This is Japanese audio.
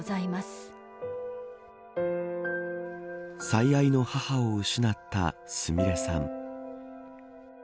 最愛の母を失ったすみれさん。